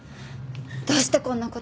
どうしてこんなこと。